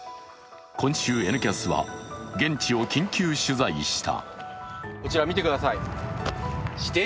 今週「Ｎキャス」は現地を緊急取材した。